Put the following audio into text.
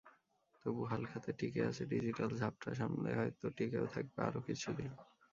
তবু হালখাতা টিকে আছে, ডিজিটাল ঝাপটা সামলে হয়তো টিকেও থাকবে আরও কিছুদিন।